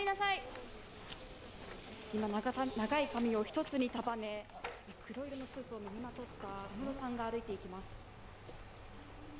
今、長い髪を一つに束ね黒色のスーツを身にまとった小室さんが歩いていきます。